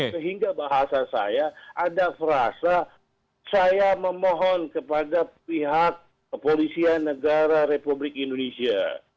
sehingga bahasa saya ada frasa saya memohon kepada pihak kepolisian negara republik indonesia